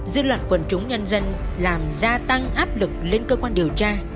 dư luận quần chúng nhân dân làm gia tăng áp lực lên cơ quan điều tra